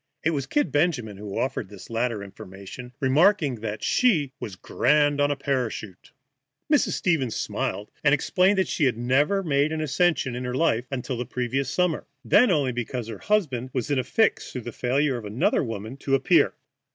It was "Kid" Benjamin who offered this latter information, remarking that she was "grand on a parachute." Mrs. Stevens smiled, and explained that she had never made an ascension in her life until the previous summer, and then only because her husband was in a fix through the failure of another woman to appear.